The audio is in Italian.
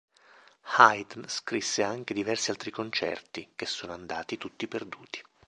Haydn scrisse anche diversi altri concerti, che sono andati tutti perduti.